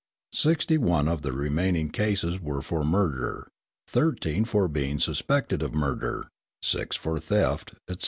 Sixty one of the remaining cases were for murder, thirteen for being suspected of murder, six for theft, etc.